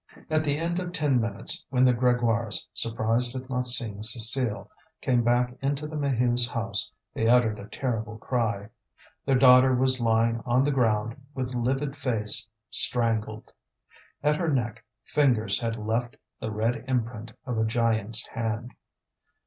At the end of ten minutes, when the Grégoires, surprised at not seeing Cécile, came back into the Maheus' house, they uttered a terrible cry. Their daughter was lying on the ground, with livid face, strangled. At her neck fingers had left the red imprint of a giant's hand.